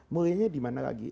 mulianya di mana lagi